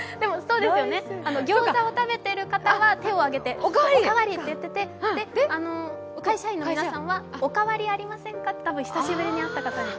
ギョーザを食べてる方は手を上げておかわりといって、会社員の皆さんは、お変わりありませんかって多分久しぶりに会った方に。